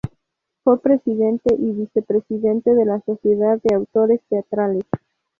Fue Presidente y Vicepresidente de la Sociedad de Autores Teatrales.